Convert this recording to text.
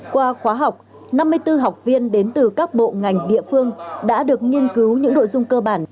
qua khóa học năm mươi bốn học viên đến từ các bộ ngành địa phương đã được nghiên cứu những nội dung cơ bản